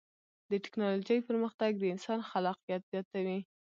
د ټکنالوجۍ پرمختګ د انسان خلاقیت زیاتوي.